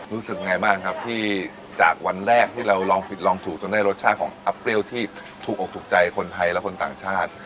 รู้สึกไงบ้างครับที่จากวันแรกที่เราลองผิดลองถูกจนได้รสชาติของอัพเปรี้ยวที่ถูกออกถูกใจคนไทยและคนต่างชาติ